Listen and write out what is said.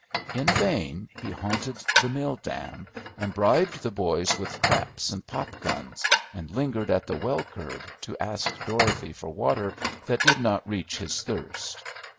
In vain he haunted the mill dam, and bribed the boys with traps and pop guns, and lingered at the well curb to ask Dorothy for water that did not reach his thirst.